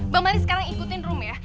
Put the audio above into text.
bang mali sekarang ikutin room ya